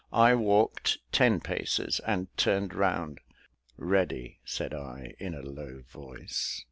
I walked ten paces, and turned round, "Ready," said I in a low voice.